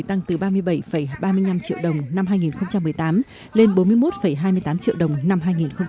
tăng từ ba mươi bảy ba mươi năm triệu đồng năm hai nghìn một mươi tám lên bốn mươi một hai mươi tám triệu đồng năm hai nghìn một mươi tám